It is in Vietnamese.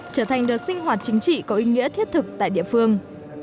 trở thành đợt sinh hoạt chính trị có ý nghĩa thiết thực tại địa phương